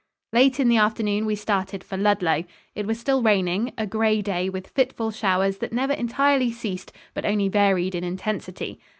Late in the afternoon we started for Ludlow. It was still raining a gray day with fitful showers that never entirely ceased but only varied in intensity.